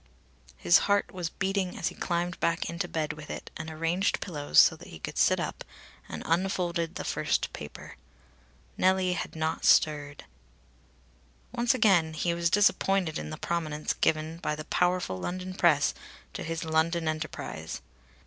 His heart was beating as he climbed back into bed with it and arranged pillows so that he could sit up, and unfolded the first paper. Nellie had not stirred. Once again he was disappointed in the prominence given by the powerful London press to his London enterprise.